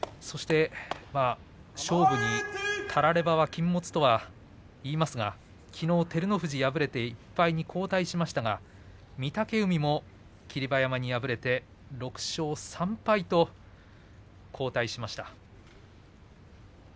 勝負に、たらればは禁物といいますが、きのう照ノ富士敗れて後退しましたが御嶽海もきのう霧馬山に敗れて後退しました。